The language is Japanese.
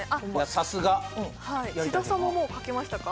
さすが志田さんももう書けましたか？